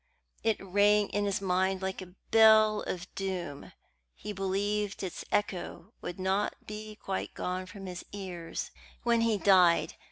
It rang in his mind like a bell of doom. He believed its echo would not be quite gone from his ears when he died.